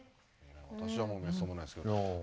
私はもう滅相もないですけど。